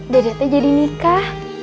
dedeknya jadi nikah